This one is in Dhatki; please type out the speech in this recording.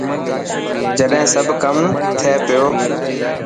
چڏهن سب ڪم ٿي پيو.